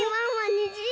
にじ！